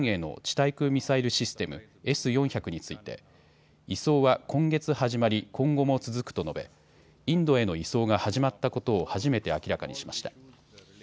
対空ミサイルシステムＳ４００について移送は今月始まり今後も続くと述べ、インドへの移送が始まったことを初めて明らかにしました。